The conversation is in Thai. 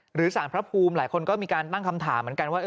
หรือสารพระภูมิหลายคนก็มีการตั้งคำถามเหมือนกันว่า